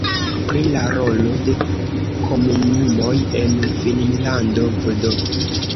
Pri la rolo de komunumoj en Finnlando vd.